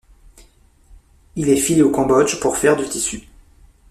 Il est filé au Cambodge pour faire du tissu.